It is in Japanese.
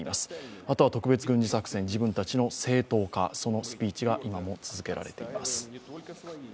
あとは特別軍事作戦、自分たちの正当化そのスピーチが今も続けられています。